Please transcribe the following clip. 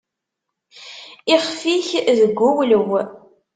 Ixef-ik deg uwlew.